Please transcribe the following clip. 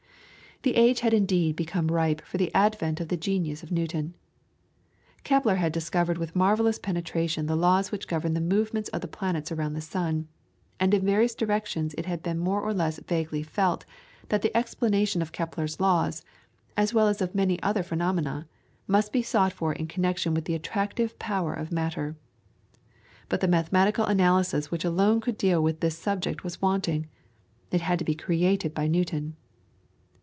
The age had indeed become ripe for the advent of the genius of Newton. Kepler had discovered with marvellous penetration the laws which govern the movements of the planets around the sun, and in various directions it had been more or less vaguely felt that the explanation of Kepler's laws, as well as of many other phenomena, must be sought for in connection with the attractive power of matter. But the mathematical analysis which alone could deal with this subject was wanting; it had to be created by Newton.